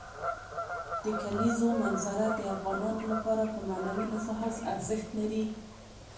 د کلیزو منظره د افغانانو لپاره په معنوي لحاظ ارزښت لري.